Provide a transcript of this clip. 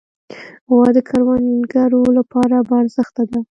غوا د کروندګرو لپاره باارزښته ده.